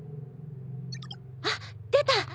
あっ出た。